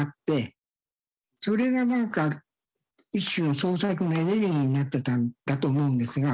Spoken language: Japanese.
それがなんか一種の創作のエネルギーになってたんだと思うんですが。